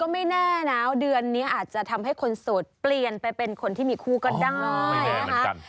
ไม่แน่นะเดือนนี้อาจจะทำให้คนโสดเปลี่ยนไปเป็นคนที่มีคู่ก็ได้นะคะ